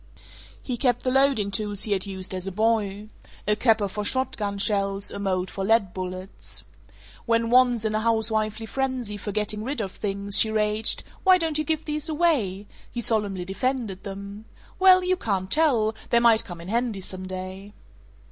He kept the loading tools he had used as a boy: a capper for shot gun shells, a mold for lead bullets. When once, in a housewifely frenzy for getting rid of things, she raged, "Why don't you give these away?" he solemnly defended them, "Well, you can't tell; they might come in handy some day."